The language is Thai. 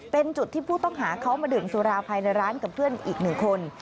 เป็นจุดที่ผู้ต้องหาเขามาดื่มสุราภายในร้านกับเพื่อนอีกหนึ่งคน